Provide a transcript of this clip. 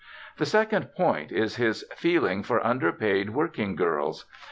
The second point is his feeling for underpaid working girls.